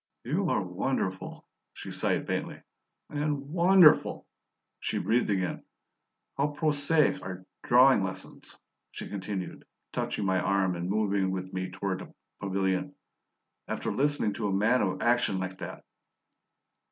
"You are wonderful," she sighed faintly, and "WONDERFUL!" she breathed again. "How prosaic are drawing lessons," she continued, touching my arm and moving with me toward the pavilion, "after listening to a man of action like that!"